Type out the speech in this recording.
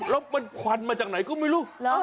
แล้วมันควันมาจากไหนก็ไม่รู้